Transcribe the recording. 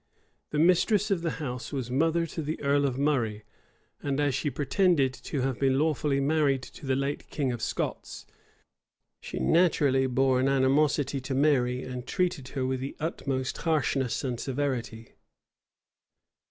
The mistress of the house was mother to the earl of Murray; and as she pretended to have been lawfully married to the late king of Scots, she naturally bore an animosity to Mary, and treated her with the utmost harshness and severity.